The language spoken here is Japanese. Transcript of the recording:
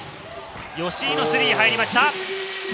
吉井のスリー、入りました！